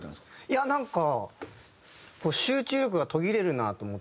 いやなんか集中力が途切れるなと思って。